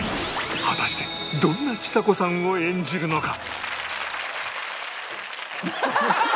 果たしてどんなちさ子さんを演じるのか？